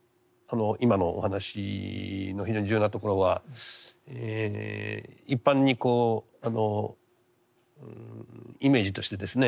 今のお話の非常に重要なところは一般にこうイメージとしてですね